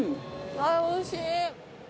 あおいしい。